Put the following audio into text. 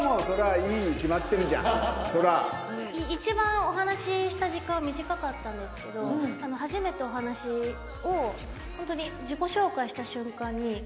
一番お話しした時間は短かったんですけど初めてお話をホントに。